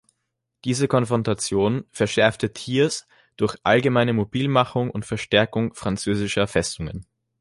Diese Konfrontation verschärfte Thiers durch allgemeine Mobilmachung und Verstärkung französischer Festungen.